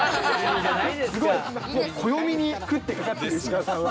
すごい、暦に食ってかかってる、石川さんは。